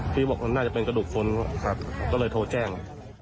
พี่บอกน่าจะเป็นกระดูกคนครับก็เลยโทรแจ้ง